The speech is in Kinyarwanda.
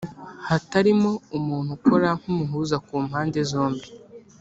Hatarimo umuntu ukora nk’umuhuza ku mpande zombi